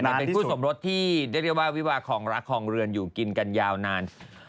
นี่เป็นคู่สมรสที่เรียกได้ว่าวิวาของรักของเรือนอยู่กินกันยาวนาน